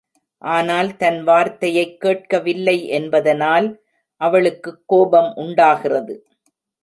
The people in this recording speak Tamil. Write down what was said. ஆனால் தன் வார்த்தையைக் கேட்கவில்லை என்பதனால் அவளுக்குக் கோபம் உண்டாகிறது.